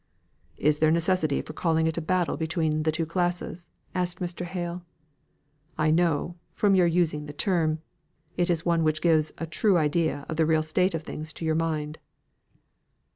"Is there necessity for calling it a battle between the two classes?" asked Mr. Hale. "I know, from your using the term, it is one which gives a true idea of the real state of things to your mind."